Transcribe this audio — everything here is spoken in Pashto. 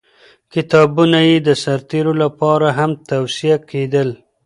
کتابونه یې د سرتېرو لپاره هم توصیه کېدل.